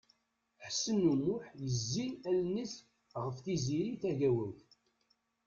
Ḥsen U Muḥ yezzi allen-is ɣef Tiziri Tagawawt.